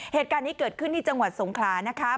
เหตุการณ์นี้เกิดขึ้นที่จังหวัดสงขลานะคะ